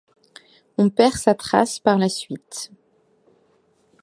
On perd sa trace par la suite.